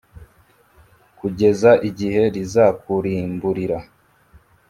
kugeza igihe rizakurimburira.